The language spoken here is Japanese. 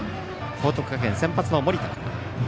報徳学園先発の盛田から。